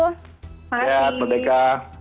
selamat malam merdeka